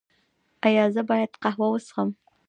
ایا زه باید قهوه وڅښم؟